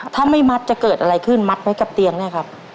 ถ้าไม่มัดจะเกิดอะไรขึ้นมัดไว้กับเตียงเนี่ยครับ